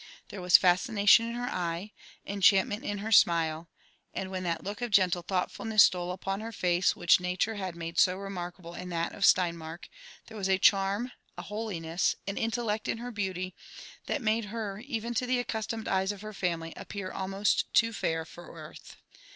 There was fascination in her eye, encbantmen^ in her smile, and, when that look of gentle thoughlfulness stole upon her face which nature had made so remarkable in that of Steinmark, there wu a diarm, a holiness, an intellect in her beauty, that made her, even to the aseustomed eyes of her family, appear almost too fair for earth.